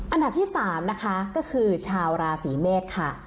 อันดับที่๓นะคะก็คือชาวราศีเมษค่ะ